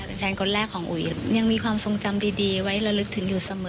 เป็นแฟนคนแรกของอุ๋ยยังมีความทรงจำดีไว้ระลึกถึงอยู่เสมอ